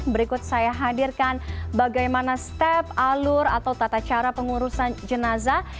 berikut saya hadirkan bagaimana step alur atau tata cara pengurusan jenazah